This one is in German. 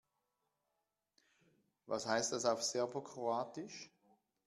Was heißt das auf Serbokroatisch?